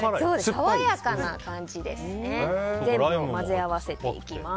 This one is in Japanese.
爽やかな感じです。